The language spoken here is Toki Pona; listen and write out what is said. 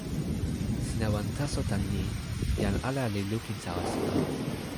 sina wan taso tan ni: jan ala li lukin tawa sina.